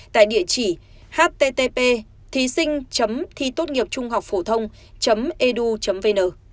tại địa chỉ http thising thitotnghiệpchunghocphothong edu vn